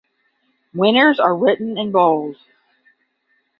Winners are written in bold.